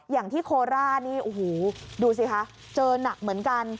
อย่างที่โคล่านี่ดูสิค่ะเจอหนักเหมือนกัน